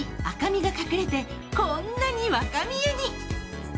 赤みが隠れてこんなに若見えに。